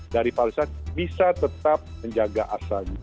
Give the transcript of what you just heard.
dari pariwisata bisa tetap menjaga asalnya